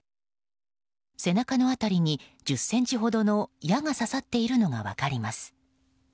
背中の辺りに１０ｃｍほどの矢が刺さっているのが分かります。